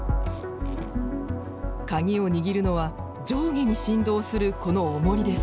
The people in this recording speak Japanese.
カギを握るのは上下に振動するこのおもりです。